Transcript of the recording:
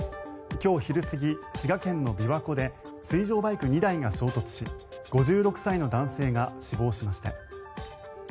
今日昼過ぎ、滋賀県の琵琶湖で水上バイク２台が衝突し５６歳の男性が死亡しました。